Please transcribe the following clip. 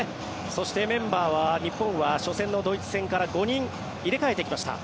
そしてメンバーは日本は初戦のドイツ戦から５人入れ替えてきました。